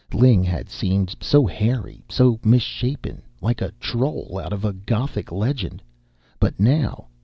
Ling had seemed so hairy, so misshapen, like a troll out of Gothic legends. But now